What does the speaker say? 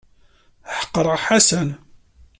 Ḥeqreɣ Ḥasan.